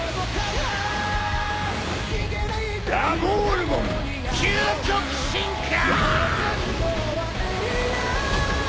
ラモールモン究極進化！